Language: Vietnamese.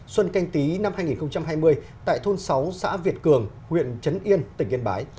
xuân canh tí năm hai nghìn hai mươi tại thôn sáu xã việt cường huyện trấn yên tỉnh yên bái